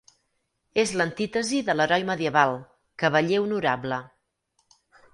És l'antítesi de l'heroi medieval, cavaller honorable.